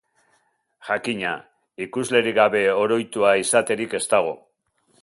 Jakina, ikuslerik gabe oroitua izaterik ez dago.